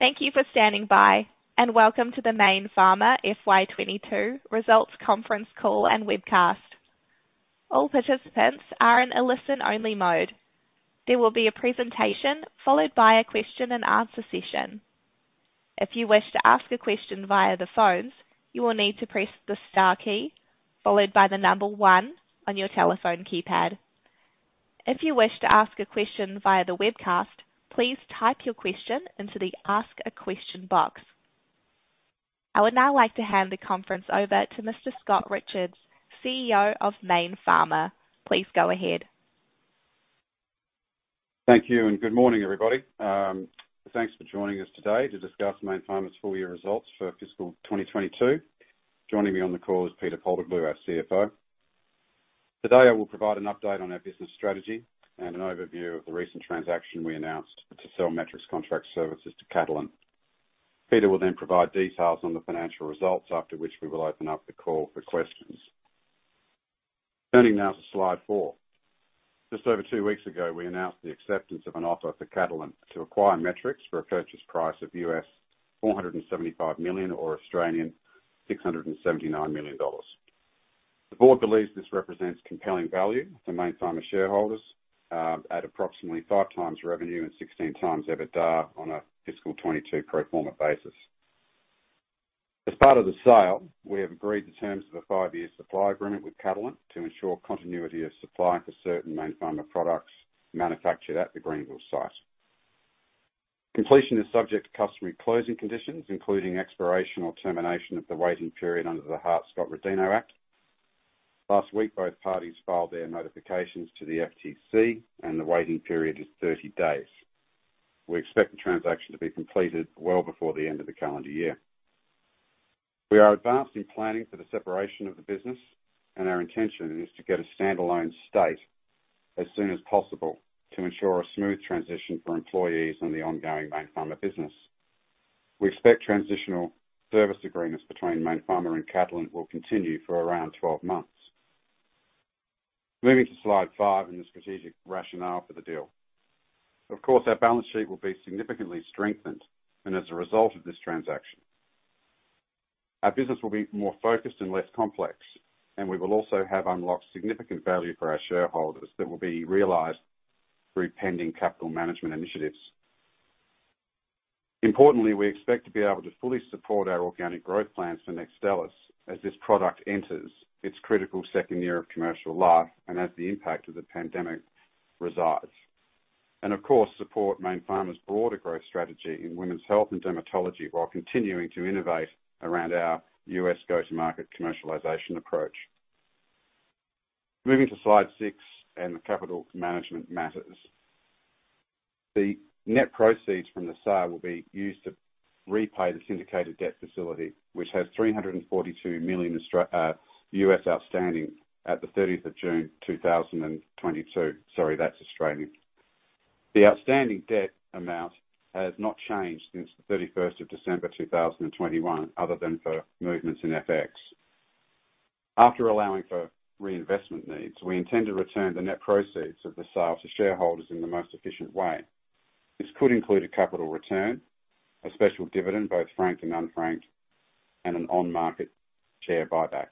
Thank you for standing by, and welcome to the Mayne Pharma FY 2022 results conference call and webcast. All participants are in a listen only mode. There will be a presentation followed by a question and answer session. If you wish to ask a question via the phones, you will need to press the star key followed by the number one on your telephone keypad. If you wish to ask a question via the webcast, please type your question into the ask a question box. I would now like to hand the conference over to Mr. Scott Richards, CEO of Mayne Pharma. Please go ahead. Thank you and good morning, everybody. Thanks for joining us today to discuss Mayne Pharma's full year results for fiscal 2022. Joining me on the call is Peter Paltoglou, our CFO. Today, I will provide an update on our business strategy and an overview of the recent transaction we announced to sell Metrics Contract Services to Catalent. Peter will then provide details on the financial results, after which we will open up the call for questions. Turning now to slide four. Just over two weeks ago, we announced the acceptance of an offer for Catalent to acquire Metrics for a purchase price of $475 million or 679 million Australian dollars. The board believes this represents compelling value for Mayne Pharma shareholders, at approximately 5x revenue and 16x EBITDA on a fiscal 2022 pro forma basis. As part of the sale, we have agreed to terms of a five-year supply agreement with Catalent to ensure continuity of supply for certain Mayne Pharma products manufactured at the Greenville site. Completion is subject to customary closing conditions, including expiration or termination of the waiting period under the Hart-Scott-Rodino Act. Last week, both parties filed their notifications to the FTC and the waiting period is 30 days. We expect the transaction to be completed well before the end of the calendar year. We are advanced in planning for the separation of the business, and our intention is to get a standalone site as soon as possible to ensure a smooth transition for employees and the ongoing Mayne Pharma business. We expect transitional service agreements between Mayne Pharma and Catalent will continue for around 12 months. Moving to slide five and the strategic rationale for the deal. Of course, our balance sheet will be significantly strengthened as a result of this transaction. Our business will be more focused and less complex, and we will also have unlocked significant value for our shareholders that will be realized through pending capital management initiatives. Importantly, we expect to be able to fully support our organic growth plans for NEXTSTELLIS as this product enters its critical second year of commercial life and as the impact of the pandemic resides. Of course, support Mayne Pharma's broader growth strategy in women's health and dermatology while continuing to innovate around our US go-to-market commercialization approach. Moving to slide six and the capital management matters. The net proceeds from the sale will be used to repay the syndicated debt facility, which has 342 million outstanding at the thirtieth of June two thousand and twenty-two. Sorry, that's Australian. The outstanding debt amount has not changed since the 31st of December 2021, other than for movements in FX. After allowing for reinvestment needs, we intend to return the net proceeds of the sale to shareholders in the most efficient way. This could include a capital return, a special dividend, both franked and unfranked, and an on-market share buyback.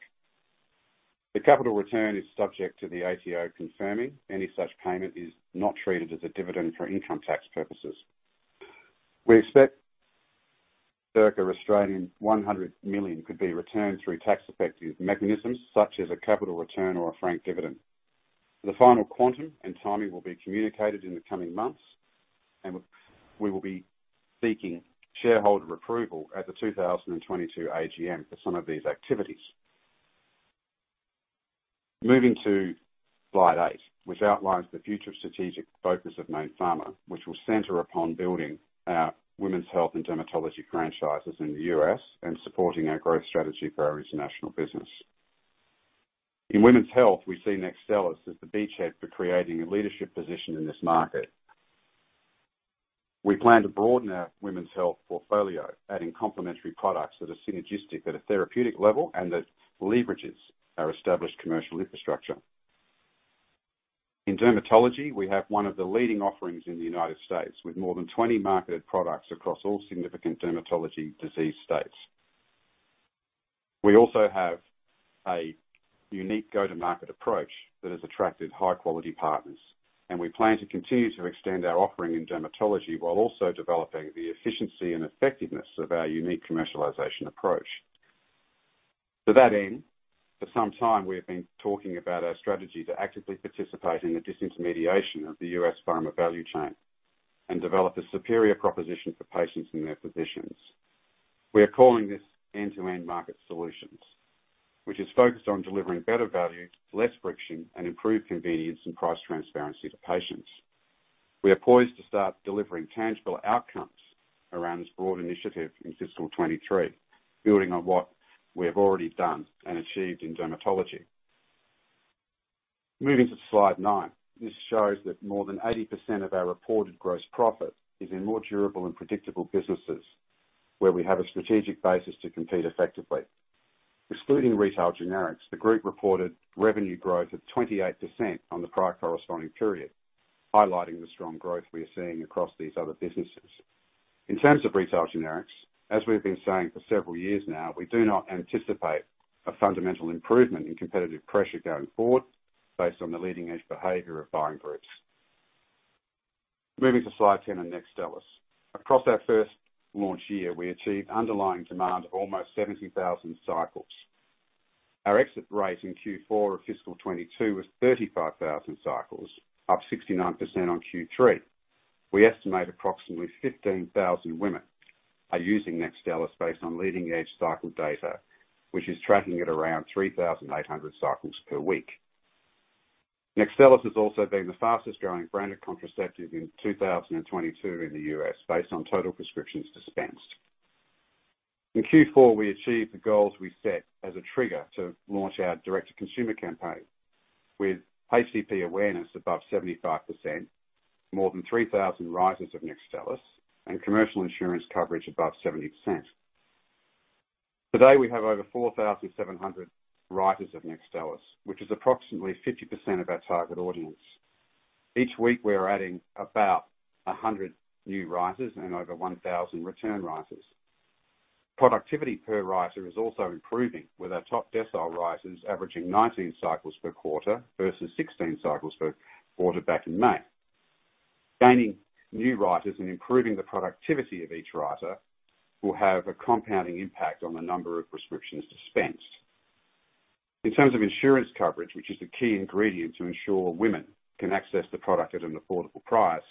The capital return is subject to the ATO confirming any such payment is not treated as a dividend for income tax purposes. We expect circa 100 million could be returned through tax-effective mechanisms such as a capital return or a franked dividend. The final quantum and timing will be communicated in the coming months, and we will be seeking shareholder approval at the 2022 AGM for some of these activities. Moving to slide eight, which outlines the future strategic focus of Mayne Pharma, which will center upon building our women's health and dermatology franchises in the U.S. and supporting our growth strategy for our international business. In women's health, we see NEXTSTELLIS as the beachhead for creating a leadership position in this market. We plan to broaden our women's health portfolio, adding complementary products that are synergistic at a therapeutic level and that leverages our established commercial infrastructure. In dermatology, we have one of the leading offerings in the United States, with more than 20 marketed products across all significant dermatology disease states. We also have a unique go-to-market approach that has attracted high quality partners, and we plan to continue to extend our offering in dermatology while also developing the efficiency and effectiveness of our unique commercialization approach. To that end, for some time, we have been talking about our strategy to actively participate in the disintermediation of the US pharma value chain and develop a superior proposition for patients and their physicians. We are calling this end-to-end market solutions, which is focused on delivering better value, less friction, and improved convenience and price transparency to patients. We are poised to start delivering tangible outcomes around this broad initiative in fiscal 2023, building on what we have already done and achieved in dermatology. Moving to slide nine. This shows that more than 80% of our reported gross profit is in more durable and predictable businesses. Where we have a strategic basis to compete effectively. Excluding retail generics, the group reported revenue growth of 28% on the prior corresponding period, highlighting the strong growth we are seeing across these other businesses. In terms of retail generics, as we've been saying for several years now, we do not anticipate a fundamental improvement in competitive pressure going forward based on the leading-edge behavior of buying groups. Moving to Slide 10 and NEXTSTELLIS. Across our first launch year, we achieved underlying demand of almost 70,000 cycles. Our exit rate in Q4 of fiscal 2022 was 35,000 cycles, up 69% on Q3. We estimate approximately 15,000 women are using NEXTSTELLIS based on leading-edge cycle data, which is tracking at around 3,800 cycles per week. NEXTSTELLIS has also been the fastest-growing branded contraceptive in 2022 in the U.S. based on total prescriptions dispensed. In Q4, we achieved the goals we set as a trigger to launch our direct-to-consumer campaign. With HCP awareness above 75%, more than 3,000 writers of NEXTSTELLIS, and commercial insurance coverage above 70%. Today, we have over 4,700 writers of NEXTSTELLIS, which is approximately 50% of our target audience. Each week, we are adding about 100 new writers and over 1,000 return writers. Productivity per writer is also improving, with our top decile writers averaging 19 cycles per quarter versus 16 cycles per quarter back in May. Gaining new writers and improving the productivity of each writer will have a compounding impact on the number of prescriptions dispensed. In terms of insurance coverage, which is a key ingredient to ensure women can access the product at an affordable price,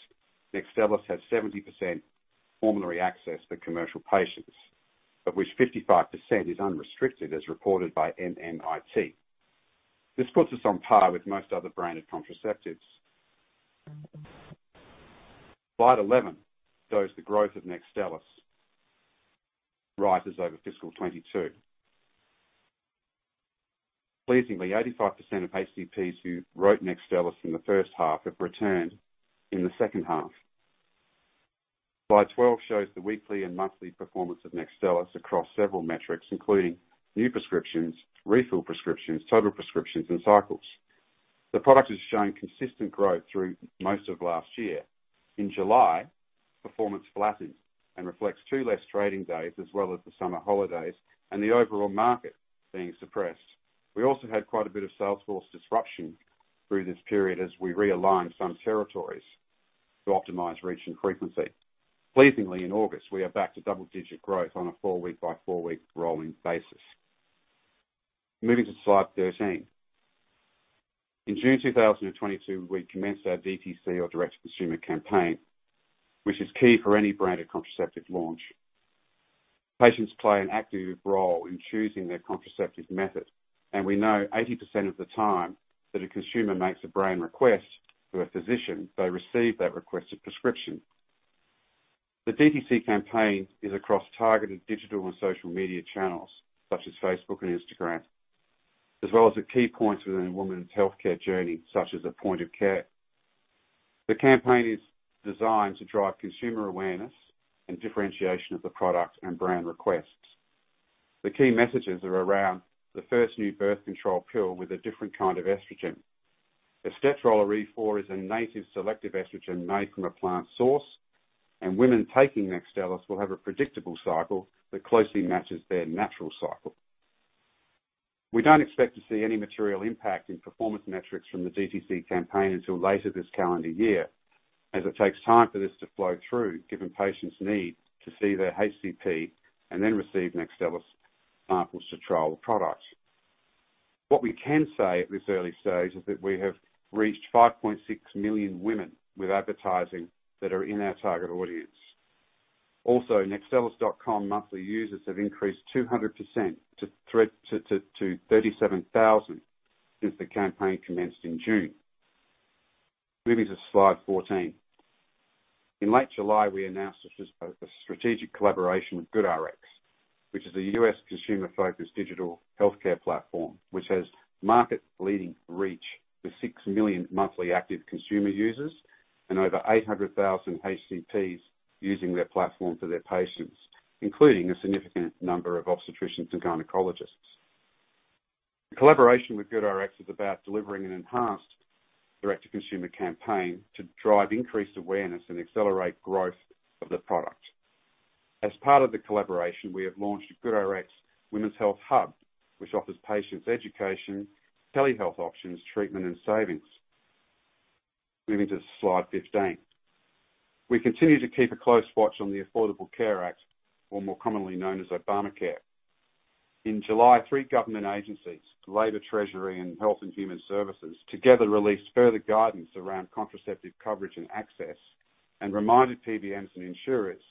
NEXTSTELLIS has 70% formulary access for commercial patients, of which 55% is unrestricted as reported by MMIT. This puts us on par with most other branded contraceptives. Slide 11 shows the growth of NEXTSTELLIS writers over fiscal 2022. Pleasingly, 85% of HCPs who wrote NEXTSTELLIS in the first half have returned in the second half. Slide 12 shows the weekly and monthly performance of NEXTSTELLIS across several metrics, including new prescriptions, refill prescriptions, total prescriptions, and cycles. The product has shown consistent growth through most of last year. In July, performance flattened and reflects two less trading days, as well as the summer holidays and the overall market being suppressed. We also had quite a bit of sales force disruption through this period as we realigned some territories to optimize reach and frequency. Pleasingly, in August, we are back to double-digit growth on a four-week by four-week rolling basis. Moving to slide 13. In June 2022, we commenced our DTC or direct-to-consumer campaign, which is key for any branded contraceptive launch. Patients play an active role in choosing their contraceptive method, and we know 80% of the time that a consumer makes a brand request to a physician, they receive that requested prescription. The DTC campaign is across targeted digital and social media channels such as Facebook and Instagram, as well as the key points within a woman's healthcare journey, such as a point of care. The campaign is designed to drive consumer awareness and differentiation of the product and brand requests. The key messages are around the first new birth control pill with a different kind of estrogen. Estetrol (E4) is a native selective estrogen made from a plant source, and women taking NEXTSTELLIS will have a predictable cycle that closely matches their natural cycle. We don't expect to see any material impact in performance metrics from the DTC campaign until later this calendar year, as it takes time for this to flow through, given patients need to see their HCP and then receive NEXTSTELLIS samples to trial the product. What we can say at this early stage is that we have reached 5.6 million women with advertising that are in our target audience. Also, nextstellis.com monthly users have increased 200% to 37,000 since the campaign commenced in June. Moving to slide 14. In late July, we announced a strategic collaboration with GoodRx, which is a U.S. consumer-focused digital healthcare platform, which has market-leading reach with six million monthly active consumer users and over 800,000 HCPs using their platform for their patients, including a significant number of obstetricians and gynecologists. The collaboration with GoodRx is about delivering an enhanced direct-to-consumer campaign to drive increased awareness and accelerate growth of the product. As part of the collaboration, we have launched GoodRx Women's Health Hub, which offers patients education, telehealth options, treatment, and savings. Moving to slide 15. We continue to keep a close watch on the Affordable Care Act, or more commonly known as Obamacare. In July, three government agencies, Labor, Treasury, and Health and Human Services, together released further guidance around contraceptive coverage and access, and reminded PBMs and insurers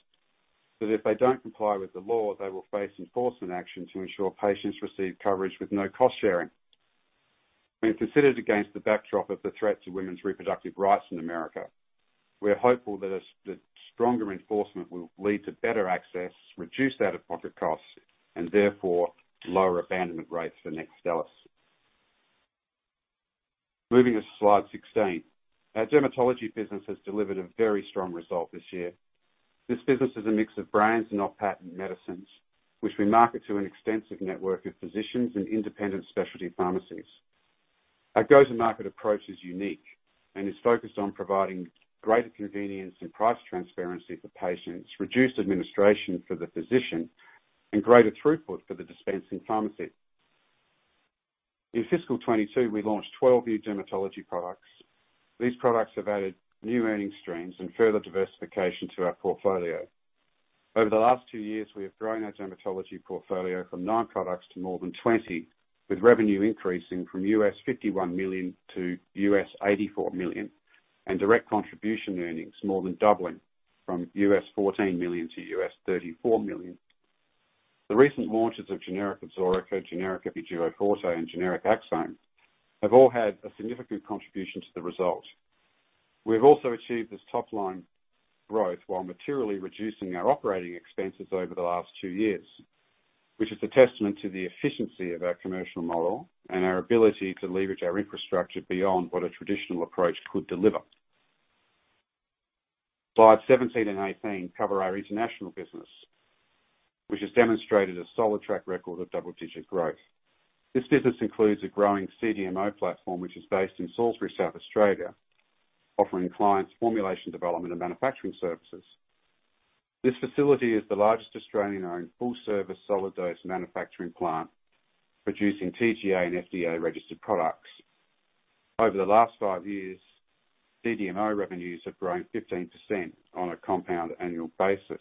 that if they don't comply with the law, they will face enforcement action to ensure patients receive coverage with no cost-sharing. When considered against the backdrop of the threats of women's reproductive rights in America, we're hopeful that stronger enforcement will lead to better access, reduce out-of-pocket costs, and therefore lower abandonment rates for NEXTSTELLIS. Moving to slide 16. Our dermatology business has delivered a very strong result this year. This business is a mix of brands and off-patent medicines, which we market to an extensive network of physicians and independent specialty pharmacies. Our go-to-market approach is unique and is focused on providing greater convenience and price transparency for patients, reduced administration for the physician, and greater throughput for the dispensing pharmacy. In fiscal 2022, we launched 12 new dermatology products. These products have added new earning streams and further diversification to our portfolio. Over the last two years, we have grown our dermatology portfolio from nine products to more than 20, with revenue increasing from $51 million to $84 million, and direct contribution earnings more than doubling from $14 million to $34 million. The recent launches of generic Oracea, generic Epiduo Forte, and generic Aczone have all had a significant contribution to the result. We have also achieved this top-line growth while materially reducing our operating expenses over the last two years, which is a testament to the efficiency of our commercial model and our ability to leverage our infrastructure beyond what a traditional approach could deliver. Slides 17 and 18 cover our international business, which has demonstrated a solid track record of double-digit growth. This business includes a growing CDMO platform, which is based in Salisbury, South Australia, offering clients formulation development and manufacturing services. This facility is the largest Australian-owned, full-service solid dose manufacturing plant, producing TGA and FDA-registered products. Over the last five years, CDMO revenues have grown 15% on a compound annual basis.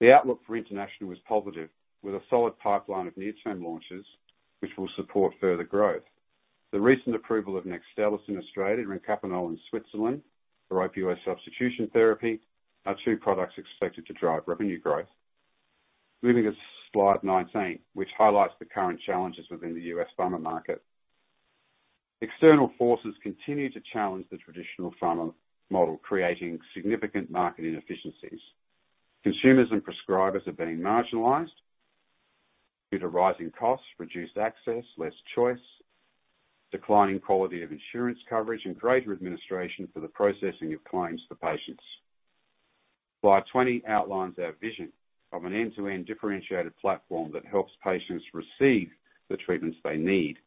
The outlook for international was positive, with a solid pipeline of near-term launches, which will support further growth. The recent approval of NEXTSTELLIS in Australia and Kapanol in Switzerland for opioid substitution therapy are two products expected to drive revenue growth. Moving to slide 19, which highlights the current challenges within the U.S. pharma market. External forces continue to challenge the traditional pharma model, creating significant market inefficiencies. Consumers and prescribers are being marginalized due to rising costs, reduced access, less choice, declining quality of insurance coverage, and greater administration for the processing of claims for patients. Slide 20 outlines our vision of an end-to-end differentiated platform that helps patients receive the treatments they need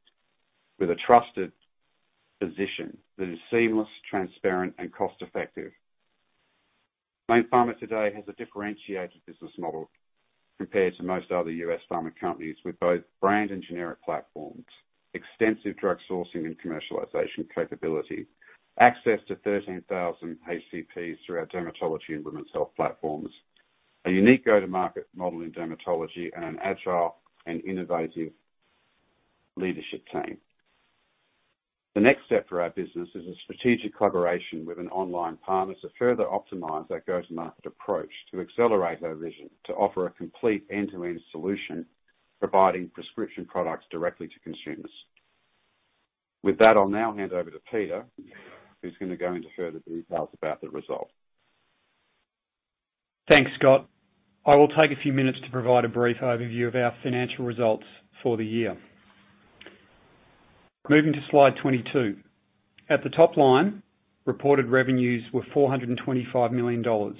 with a trusted physician that is seamless, transparent, and cost-effective. Mayne Pharma today has a differentiated business model compared to most other U.S. pharma companies, with both brand and generic platforms, extensive drug sourcing and commercialization capability, access to 13,000 HCPs through our dermatology and women's health platforms, a unique go-to-market model in dermatology, and an agile and innovative leadership team. The next step for our business is a strategic collaboration with an online partner to further optimize our go-to-market approach to accelerate our vision to offer a complete end-to-end solution providing prescription products directly to consumers. With that, I'll now hand over to Peter Paltoglou, who's gonna go into further details about the result. Thanks, Scott. I will take a few minutes to provide a brief overview of our financial results for the year. Moving to slide 22. At the top line, reported revenues were 425 million dollars,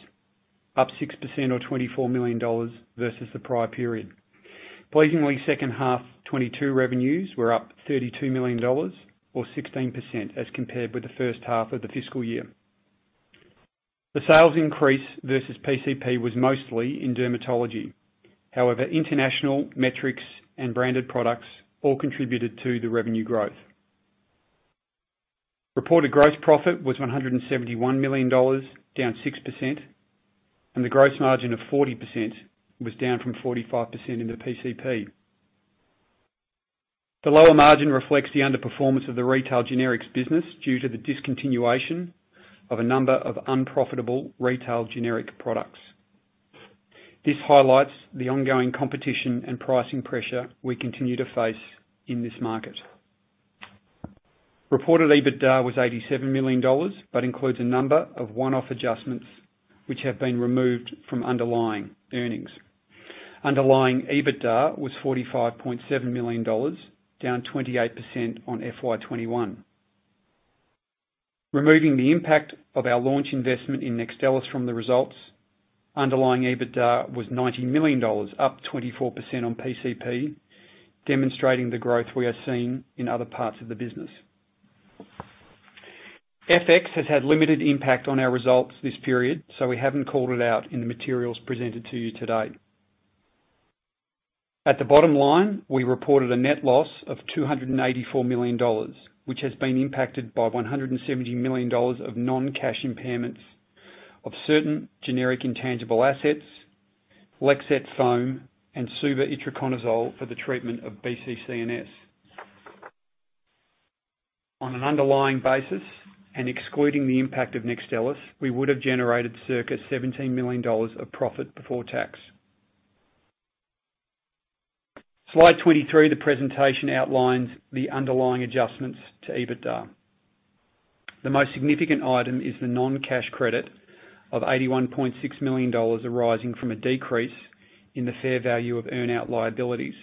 up 6%, or 24 million dollars, versus the prior period. Pleasingly, second half 2022 revenues were up 32 million dollars or 16% as compared with the first half of the fiscal year. The sales increase versus PCP was mostly in dermatology. However, international Metrics and branded products all contributed to the revenue growth. Reported gross profit was 171 million dollars, down 6%, and the gross margin of 40% was down from 45% in the PCP. The lower margin reflects the underperformance of the retail generics business due to the discontinuation of a number of unprofitable retail generic products. This highlights the ongoing competition and pricing pressure we continue to face in this market. Reported EBITDA was AUD 87 million, but includes a number of one-off adjustments which have been removed from underlying earnings. Underlying EBITDA was AUD 45.7 million, down 28% on FY 2021. Removing the impact of our launch investment in NEXTSTELLIS from the results, underlying EBITDA was 90 million dollars, up 24% on PCP, demonstrating the growth we are seeing in other parts of the business. FX has had limited impact on our results this period, so we haven't called it out in the materials presented to you today. At the bottom line, we reported a net loss of 284 million dollars, which has been impacted by 170 million dollars of non-cash impairments of certain generic intangible assets, Lexette foam, and SUBA-Itraconazole for the treatment of BCCNS. On an underlying basis and excluding the impact of NEXTSTELLIS, we would have generated circa 17 million dollars of profit before tax. Slide 23 of the presentation outlines the underlying adjustments to EBITDA. The most significant item is the non-cash credit of 81.6 million dollars arising from a decrease in the fair value of earn-out liabilities.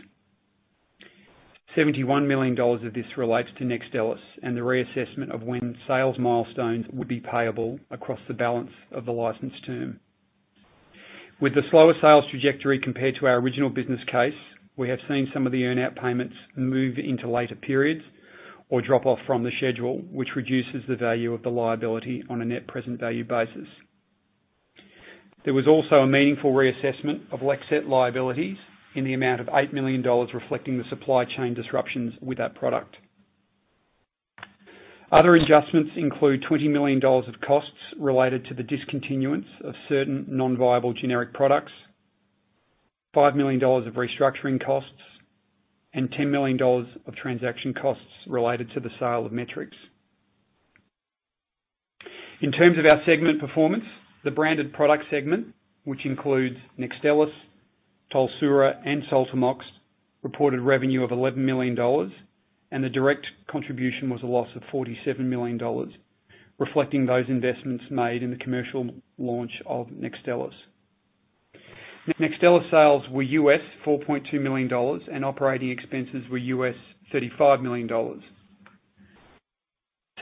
71 million dollars of this relates to NEXTSTELLIS and the reassessment of when sales milestones would be payable across the balance of the license term. With the slower sales trajectory compared to our original business case, we have seen some of the earn-out payments move into later periods or drop off from the schedule, which reduces the value of the liability on a net present value basis. There was also a meaningful reassessment of Lexette liabilities in the amount of eight million dollars, reflecting the supply chain disruptions with that product. Other adjustments include 20 million dollars of costs related to the discontinuance of certain non-viable generic products, five million dollars of restructuring costs, and 10 million dollars of transaction costs related to the sale of Metrics. In terms of our segment performance, the branded product segment, which includes Nextstellis, Tolsura, and Soltamox, reported revenue of 11 million dollars, and the direct contribution was a loss of 47 million dollars, reflecting those investments made in the commercial launch of Nextstellis. NEXTSTELLIS sales were $4.2 million, and operating expenses were $35 million.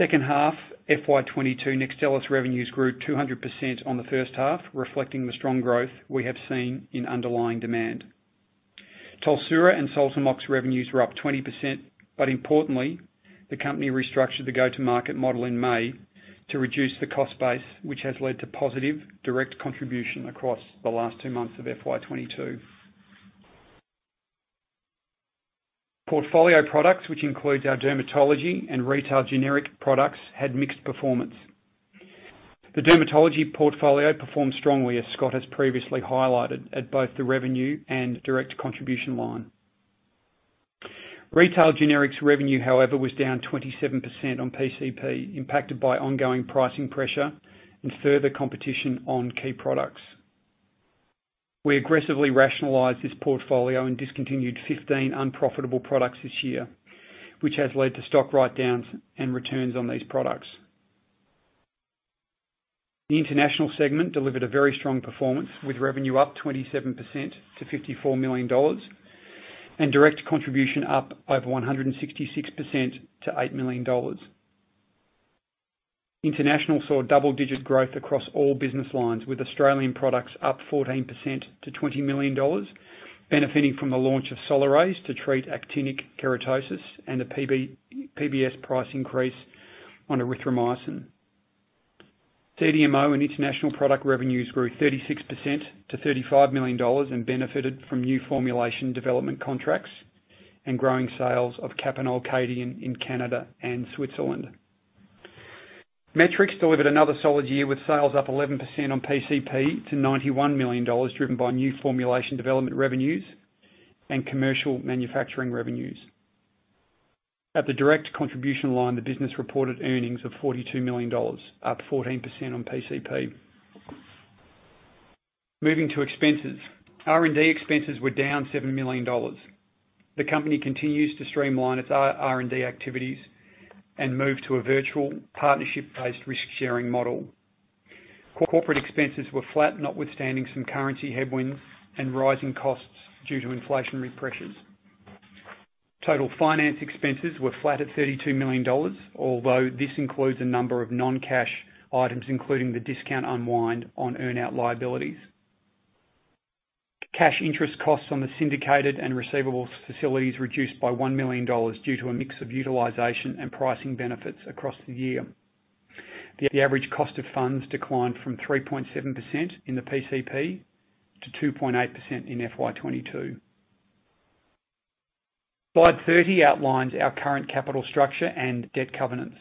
Second half FY 2022 NEXTSTELLIS revenues grew 200% on the first half, reflecting the strong growth we have seen in underlying demand. Tolsura and Soltamox revenues were up 20%, but importantly, the company restructured the go-to-market model in May to reduce the cost base, which has led to positive direct contribution across the last two months of FY 2022. Portfolio products, which includes our dermatology and retail generic products, had mixed performance. The dermatology portfolio performed strongly, as Scott has previously highlighted, at both the revenue and direct contribution line. Retail generics revenue, however, was down 27% on PCP, impacted by ongoing pricing pressure and further competition on key products. We aggressively rationalized this portfolio and discontinued 15 unprofitable products this year, which has led to stock write-downs and returns on these products. The international segment delivered a very strong performance, with revenue up 27% to 54 million dollars and direct contribution up over 166% to eight million dollars. International saw double-digit growth across all business lines, with Australian products up 14% to 20 million dollars, benefiting from the launch of Solaraze to treat actinic keratosis and a PBS price increase on erythromycin. CDMO and international product revenues grew 36% to 35 million dollars and benefited from new formulation development contracts and growing sales of Kapanol, Kadian in Canada and Switzerland. Metrics delivered another solid year, with sales up 11% on PCP to 91 million dollars, driven by new formulation development revenues and commercial manufacturing revenues. At the direct contribution line, the business reported earnings of 42 million dollars, up 14% on PCP. Moving to expenses. R&D expenses were down seven million dollars. The company continues to streamline its R&D activities and move to a virtual partnership-based risk-sharing model. Corporate expenses were flat, notwithstanding some currency headwinds and rising costs due to inflationary pressures. Total finance expenses were flat at 32 million dollars, although this includes a number of non-cash items, including the discount unwind on earn-out liabilities. Cash interest costs on the syndicated and receivables facilities reduced by one million dollars due to a mix of utilization and pricing benefits across the year. The average cost of funds declined from 3.7% in the PCP to 2.8% in FY 2022. Slide 30 outlines our current capital structure and debt covenants.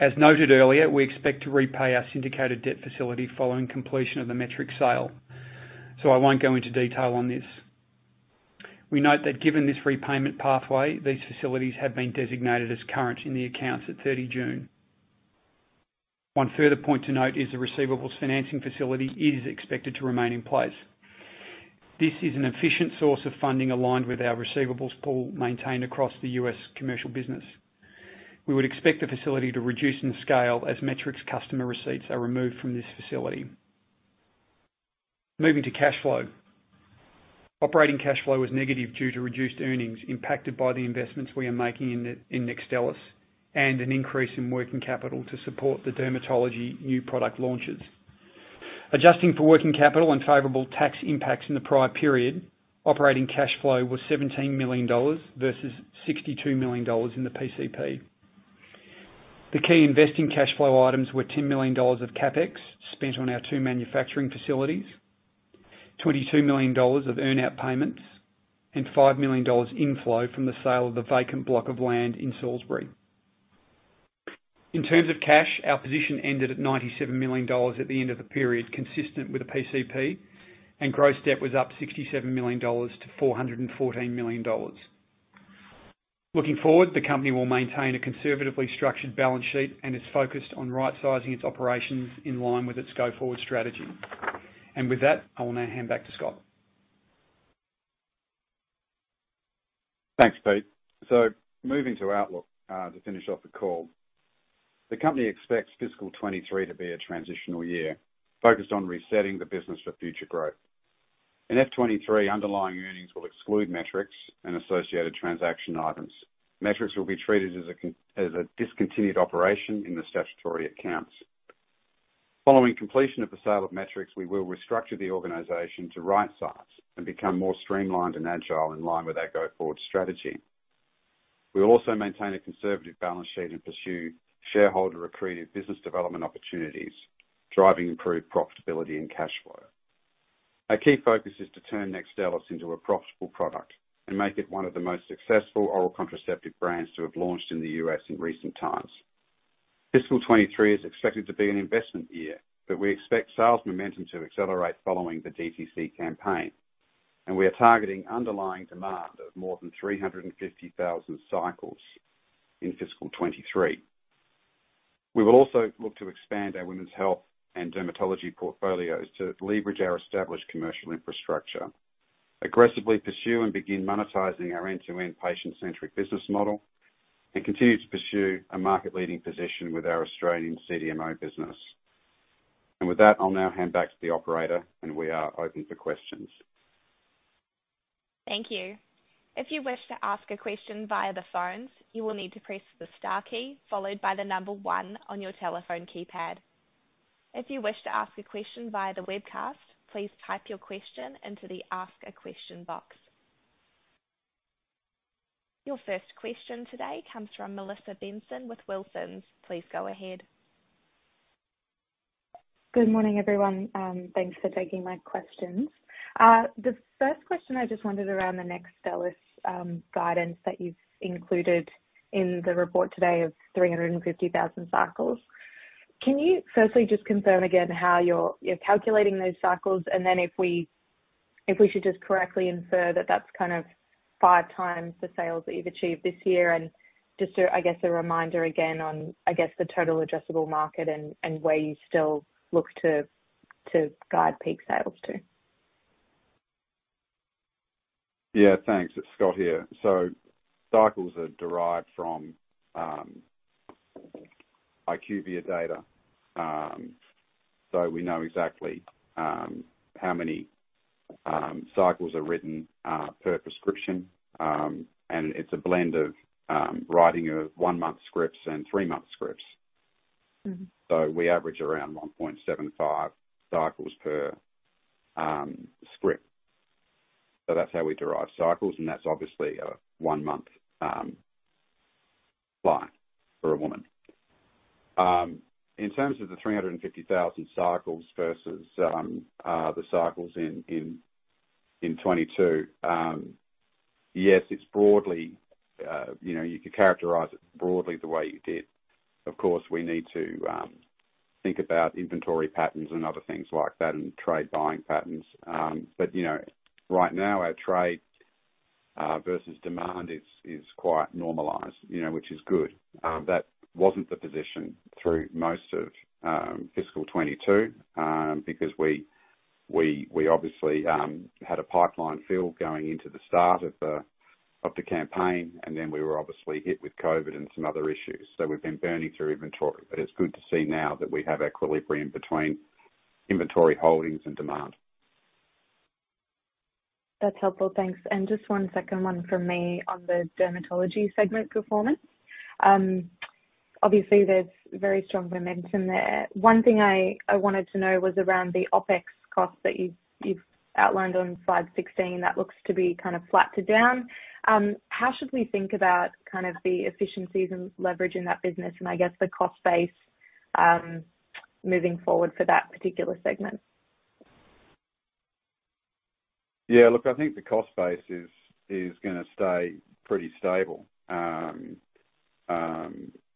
As noted earlier, we expect to repay our syndicated debt facility following completion of the Metrics sale, so I won't go into detail on this. We note that given this repayment pathway, these facilities have been designated as current in the accounts at 30 June. One further point to note is the receivables financing facility is expected to remain in place. This is an efficient source of funding aligned with our receivables pool maintained across the US commercial business. We would expect the facility to reduce in scale as Metrics's customer receipts are removed from this facility. Moving to cash flow. Operating cash flow was negative due to reduced earnings impacted by the investments we are making in Nextstellis and an increase in working capital to support the dermatology new product launches. Adjusting for working capital and favorable tax impacts in the prior period, operating cash flow was 17 million dollars versus 62 million dollars in the PCP. The key investing cash flow items were 10 million dollars of CapEx spent on our two manufacturing facilities, 22 million dollars of earn-out payments, and five million dollars inflow from the sale of the vacant block of land in Salisbury. In terms of cash, our position ended at 97 million dollars at the end of the period, consistent with the PCP, and gross debt was up 67 million dollars to 414 million dollars. Looking forward, the company will maintain a conservatively structured balance sheet and is focused on rightsizing its operations in line with its go-forward strategy. With that, I will now hand back to Scott. Thanks, Pete. Moving to outlook, to finish off the call. The company expects fiscal 2023 to be a transitional year, focused on resetting the business for future growth. In FY 2023, underlying earnings will exclude Metrics and associated transaction items. Metrics will be treated as a discontinued operation in the statutory accounts. Following completion of the sale of Metrics, we will restructure the organization to right size and become more streamlined and agile in line with our go-forward strategy. We'll also maintain a conservative balance sheet and pursue shareholder accretive business development opportunities, driving improved profitability and cash flow. Our key focus is to turn NEXTSTELLIS into a profitable product and make it one of the most successful oral contraceptive brands to have launched in the U.S. in recent times. Fiscal 2023 is expected to be an investment year, but we expect sales momentum to accelerate following the DTC campaign. We are targeting underlying demand of more than 350,000 cycles in fiscal 2023. We will also look to expand our women's health and dermatology portfolios to leverage our established commercial infrastructure, aggressively pursue and begin monetizing our end-to-end patient-centric business model, and continue to pursue a market-leading position with our Australian CDMO business. With that, I'll now hand back to the operator, and we are open for questions. Thank you. If you wish to ask a question via the phones, you will need to press the star key followed by the number one on your telephone keypad. If you wish to ask a question via the webcast, please type your question into the ask a question box. Your first question today comes from Melissa Benson with Wilsons, please go ahead. Good morning, everyone. Thanks for taking my questions. The first question I just wondered about the NEXTSTELLIS guidance that you've included in the report today of 350,000 cycles. Can you firstly just confirm again how you're calculating those cycles? Then if we should just correctly infer that that's kind of five times the sales that you've achieved this year, and just to, I guess, a reminder again on, I guess, the total addressable market and where you still look to guide peak sales to. Yeah. Thanks. It's Scott here. Cycles are derived from IQVIA data. We know exactly how many cycles are written per prescription. It's a blend of writing of one-month scripts and three-month scripts. Mm-hmm. We average around 1.75 cycles per script. That's how we derive cycles, and that's obviously a one-month supply for a woman. In terms of the 350,000 cycles versus the cycles in 2022, yes, it's broadly, you know, you could characterize it broadly the way you did. Of course, we need to think about inventory patterns and other things like that and trade buying patterns. You know, right now our trade versus demand is quite normalized, you know, which is good. That wasn't the position through most of fiscal 2022, because we obviously had a pipeline fill going into the start of the campaign, and then we were obviously hit with COVID and some other issues. We've been burning through inventory, but it's good to see now that we have equilibrium between inventory holdings and demand. That's helpful. Thanks. Just one second, one from me on the dermatology segment performance. Obviously there's very strong momentum there. One thing I wanted to know was around the OpEx costs that you've outlined on slide 16. That looks to be kind of flat to down. How should we think about kind of the efficiencies and leverage in that business and I guess the cost base moving forward for that particular segment? Yeah, look, I think the cost base is gonna stay pretty stable.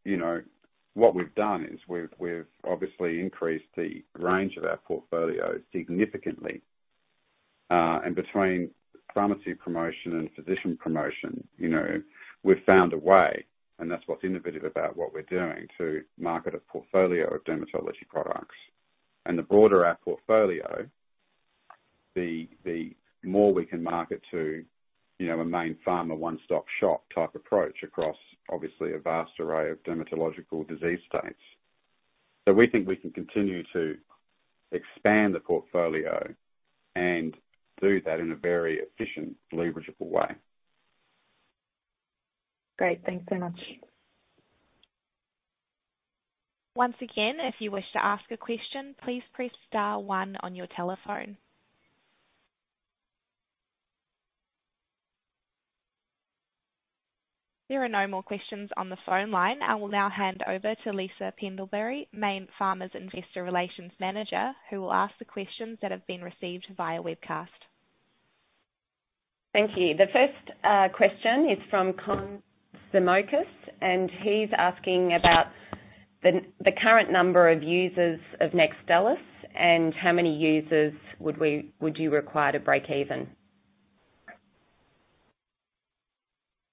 You know, what we've done is we've obviously increased the range of our portfolio significantly, and between pharmacy promotion and physician promotion, you know, we've found a way, and that's what's innovative about what we're doing, to market a portfolio of dermatology products. The broader our portfolio, the more we can market to, you know, a Mayne Pharma one-stop shop type approach across obviously a vast array of dermatological disease states. We think we can continue to expand the portfolio and do that in a very efficient, leverageable way. Great. Thanks so much. Once again, if you wish to ask a question, please press star one on your telephone. There are no more questions on the phone line. I will now hand over to Lisa Pendlebury, Mayne Pharma's Investor Relations Manager, who will ask the questions that have been received via webcast. Thank you. The first question is from Kong Simocus, and he's asking about the current number of users of NEXTSTELLIS and how many users would you require to break even?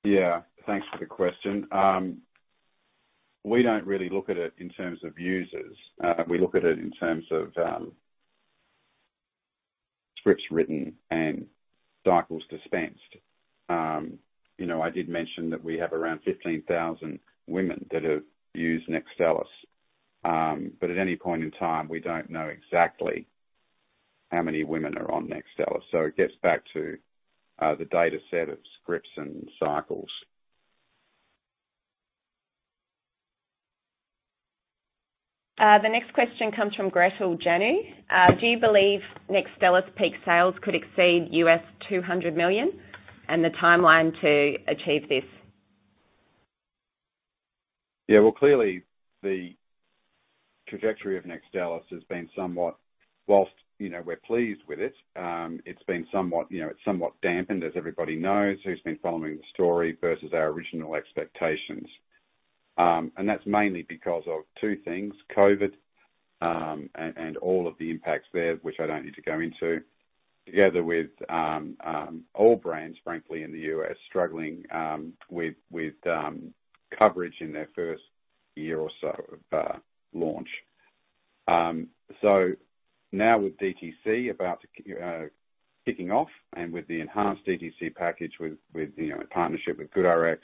Yeah. Thanks for the question. We don't really look at it in terms of users. We look at it in terms of scripts written and cycles dispensed. You know, I did mention that we have around 15,000 women that have used NEXTSTELLIS. But at any point in time, we don't know exactly how many women are on NEXTSTELLIS. It gets back to the data set of scripts and cycles. The next question comes from Gretel Janu. Do you believe NEXTSTELLIS peak sales could exceed $200 million, and the timeline to achieve this? Yeah. Well, clearly, the trajectory of NEXTSTELLIS has been somewhat, while, you know, we're pleased with it's been somewhat, you know, it's somewhat dampened, as everybody knows who's been following the story versus our original expectations. That's mainly because of two things, COVID and all of the impacts there, which I don't need to go into, together with all brands, frankly, in the U.S. struggling with coverage in their first year or so of launch. Now with DTC about to kicking off and with the enhanced DTC package with, you know, partnership with GoodRx,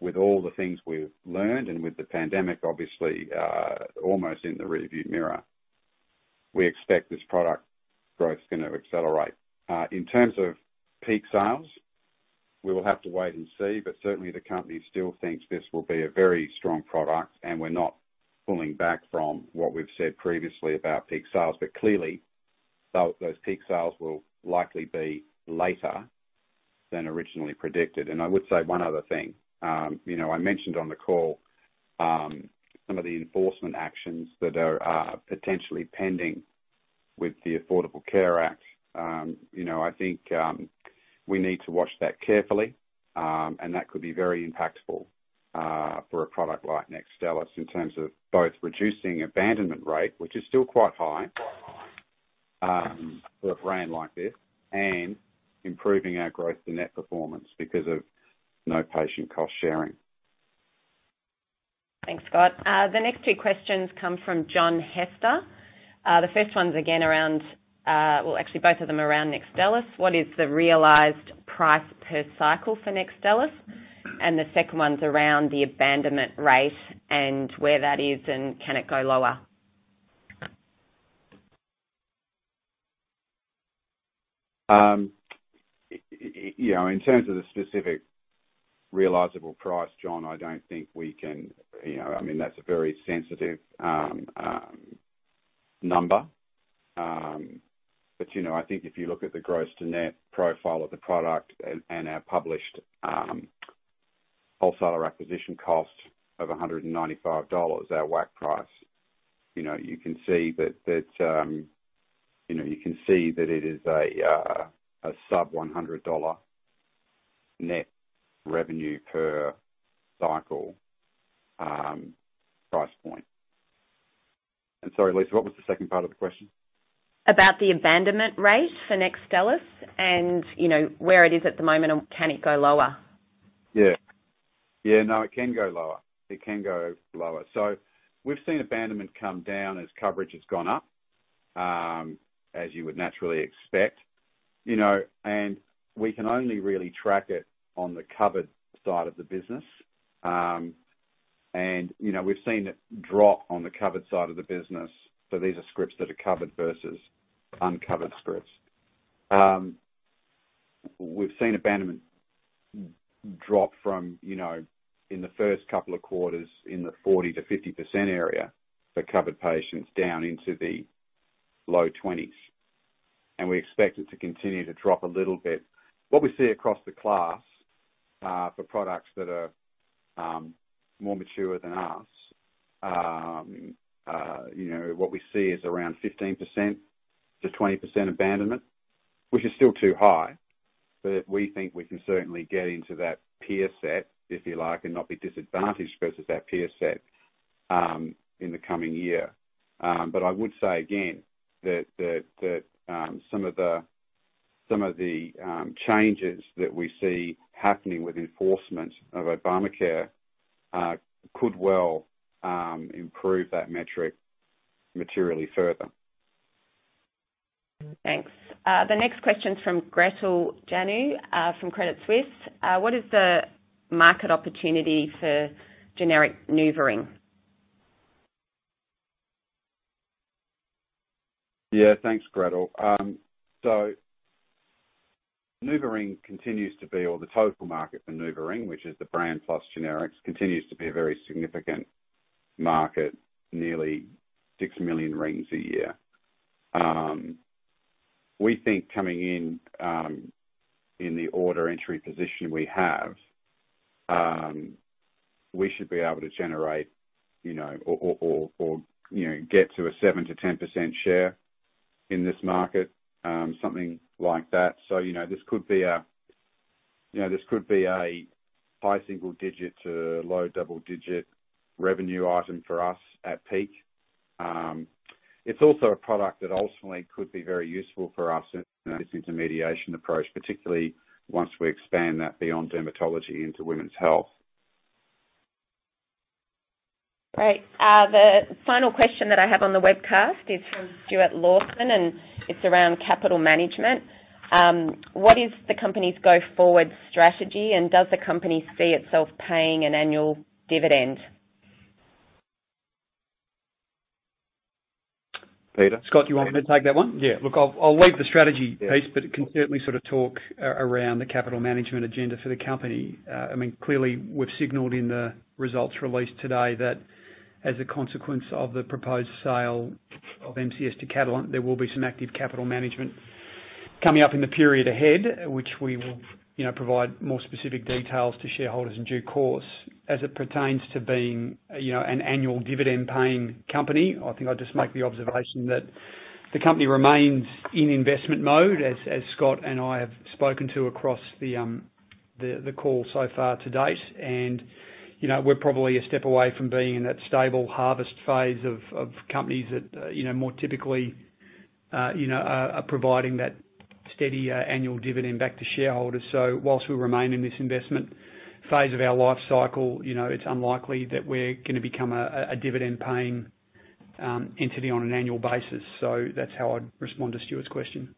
with all the things we've learned and with the pandemic, obviously, almost in the rearview mirror, we expect this product growth gonna accelerate. In terms of peak sales, we will have to wait and see, but certainly the company still thinks this will be a very strong product, and we're not pulling back from what we've said previously about peak sales. Clearly, those peak sales will likely be later than originally predicted. I would say one other thing, you know, I mentioned on the call, some of the enforcement actions that are potentially pending with the Affordable Care Act. You know, I think we need to watch that carefully, and that could be very impactful for a product like NEXTSTELLIS in terms of both reducing abandonment rate, which is still quite high for a brand like this, and improving our gross to net performance because of no patient cost-sharing. Thanks, Scott. The next two questions come from John Hester. The first one's again around, actually both of them around NEXTSTELLIS. What is the realized price per cycle for NEXTSTELLIS? The second one's around the abandonment rate and where that is, and can it go lower? You know, in terms of the specific realizable price, John, I don't think we can. You know, I mean, that's a very sensitive number. But, you know, I think if you look at the gross to net profile of the product and our published wholesaler acquisition cost of $195, our WAC price, you know, you can see that it is a sub-$100 net revenue per cycle price point. Sorry Lisa, what was the second part of the question? About the abandonment rate for NEXTSTELLIS and, you know, where it is at the moment and can it go lower? Yeah. Yeah, no, it can go lower. We've seen abandonment come down as coverage has gone up, as you would naturally expect, you know, and we can only really track it on the covered side of the business. You know, we've seen it drop on the covered side of the business. These are scripts that are covered versus uncovered scripts. We've seen abandonment drop from, you know, in the first couple of quarters in the 40%-50% area for covered patients down into the low 20s%, and we expect it to continue to drop a little bit. What we see across the class, for products that are more mature than us, you know, what we see is around 15%-20% abandonment, which is still too high. We think we can certainly get into that peer set, if you like, and not be disadvantaged versus our peer set in the coming year. I would say again that some of the changes that we see happening with enforcement of Obamacare could well improve that metric materially further. Thanks. The next question is from Gretel Janu, from Credit Suisse. What is the market opportunity for generic NuvaRing? Yeah. Thanks, Gretel. The total market for NuvaRing, which is the brand plus generics, continues to be a very significant market, nearly 6 million rings a year. We think coming in in the order-of-entry position we have, we should be able to generate, you know, or you know, get to a 7%-10% share in this market, something like that. You know, this could be a high single-digit to low double-digit revenue item for us at peak. It's also a product that ultimately could be very useful for us in this intermediation approach, particularly once we expand that beyond dermatology into women's health. Great. The final question that I have on the webcast is from Stuart Lawson, and it's around capital management. What is the company's go-forward strategy, and does the company see itself paying an annual dividend? Peter? Scott, you want me to take that one? Yeah. Look, I'll leave the strategy piece. Yeah. I can certainly sort of talk around the capital management agenda for the company. I mean, clearly, we've signaled in the results released today that as a consequence of the proposed sale of MCS to Catalent, there will be some active capital management coming up in the period ahead, which we will, you know, provide more specific details to shareholders in due course. As it pertains to being, you know, an annual dividend-paying company, I think I'll just make the observation that the company remains in investment mode, as Scott and I have spoken to across the call so far to date. You know, we're probably a step away from being in that stable harvest phase of companies that, you know, more typically, you know, are providing that steady annual dividend back to shareholders. While we remain in this investment phase of our life cycle, you know, it's unlikely that we're gonna become a dividend-paying entity on an annual basis. That's how I'd respond to Stuart's question.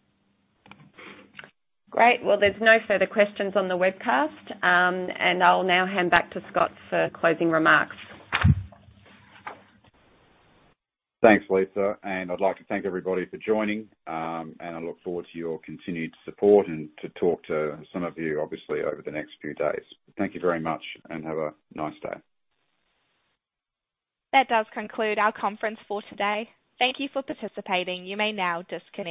Great. Well, there's no further questions on the webcast. I'll now hand back to Scott for closing remarks. Thanks, Lisa. I'd like to thank everybody for joining, and I look forward to your continued support and to talk to some of you obviously, over the next few days. Thank you very much and have a nice day. That does conclude our conference for today. Thank you for participating. You may now disconnect.